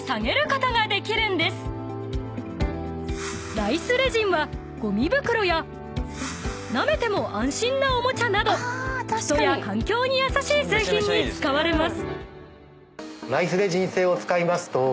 ［ライスレジンはごみ袋やなめても安心なおもちゃなど人や環境に優しい製品に使われます］